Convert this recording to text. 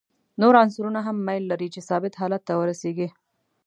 نور عنصرونه هم میل لري چې ثابت حالت ته ورسیږي.